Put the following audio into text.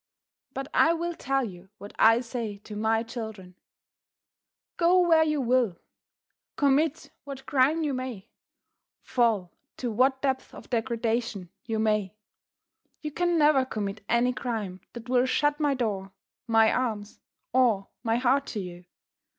But I will tell you what I say to my children: "Go where you will; commit what crime you may; fall to what depth of degradation you may; you can never commit any crime that will shut my door, my arms, or my heart to you.